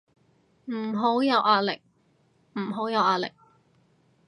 唔好有壓力，唔好有壓力